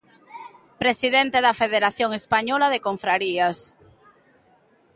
Presidente da Federación Española de Confrarías.